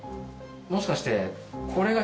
もしかして。